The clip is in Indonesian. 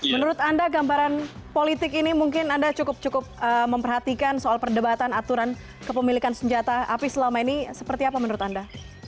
menurut anda gambaran politik ini mungkin anda cukup cukup memperhatikan soal perdebatan aturan kepemilikan senjata api selama ini seperti apa menurut anda